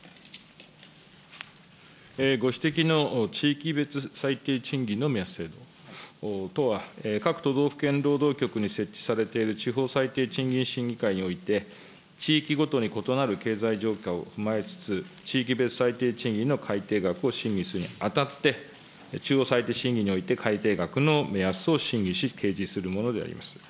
ご指摘の地域別最低賃金の目安制度とは、各都道府県労働局に設置されている地方最低賃金審議会において、地域ごとに異なる経済状態を踏まえつつ、地域別最低賃金の改定額を審議するにあたって、中央最低賃金において、改定額の目安を審議し、掲示するものであります。